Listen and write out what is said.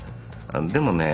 でもね